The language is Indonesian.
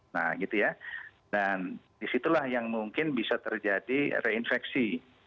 nah gitu ya dan disitulah yang mungkin bisa terjadi reinfeksi